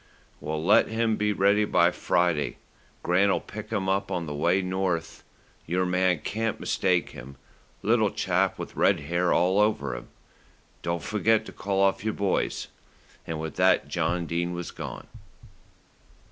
"Well, let him be ready by Friday. Grant'll pick him up on his way north. Your man can't mistake him, little chap with red hair all over him. Don't forget to call off your boys;" and with that John Dene was gone.